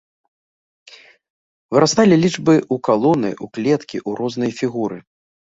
Вырасталі лічбы ў калоны, у клеткі, у розныя фігуры.